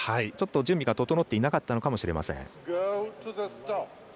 ちょっと準備が整っていなかったのかもしれません。